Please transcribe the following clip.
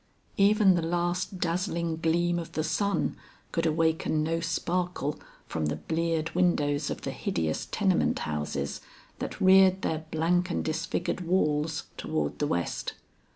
Even the last dazzling gleam of the sun could awaken no sparkle from the bleared windows of the hideous tenement houses that reared their blank and disfigured walls toward the west.